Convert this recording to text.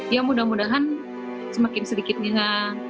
ya mudah mudahan semakin sedikitnya